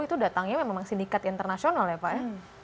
itu datangnya memang sindikat internasional ya pak ya